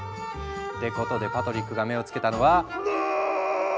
ってことでパトリックが目を付けたのは。